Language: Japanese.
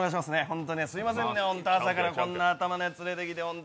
ホントすみませんね、朝からこんんな頭連れてきて。